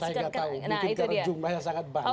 saya tidak tahu